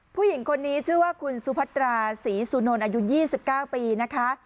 ผู้หญิงคนนี้ชื่อว่าคุณสุพัตราศรีสุนนท์อายุ๒๙ปีนะคะ